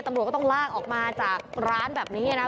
ตำรวจก็ต้องลากออกมาจากร้านแบบนี้นะ